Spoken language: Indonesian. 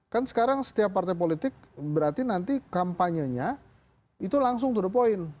kan sekarang setiap partai politik berarti nanti kampanyenya itu langsung to the point